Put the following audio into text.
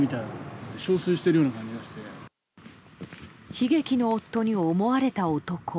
悲劇の夫に思われた男。